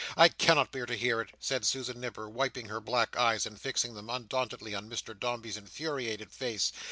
I can not bear to hear it," said Susan Nipper, wiping her black eyes, and fixing them undauntingly on Mr Dombey's infuriated face.